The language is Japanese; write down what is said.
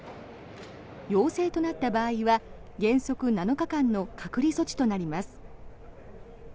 陽性となった場合は原則７日間の隔離措置となります。